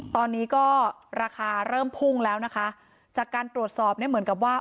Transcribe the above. ตอนนี้ก็ราคาเริ่มพุ่งแล้วนะคะจากการตรวจสอบเนี่ยเหมือนกับว่า